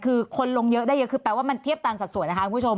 คือคนลงเยอะได้เยอะคือแปลว่ามันเทียบตามสัดส่วนนะคะคุณผู้ชม